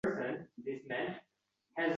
Og‘ir o‘yga botib derazadan ko‘z uzmay yotardi.